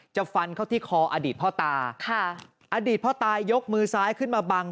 ฟันเข้าที่คออดีตพ่อตาค่ะอดีตพ่อตายกมือซ้ายขึ้นมาบัง